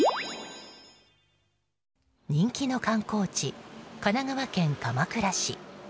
人気の観光地神奈川県鎌倉市。